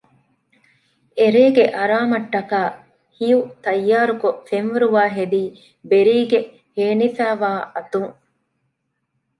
އެރޭގެ އަރާމަށް ޓަކައި ހިޔު ތައްޔާރުކޮށް ފެންވަރުވާ ހެދީ ބެރީ ގެ ހޭނިފައިވާ އަތުން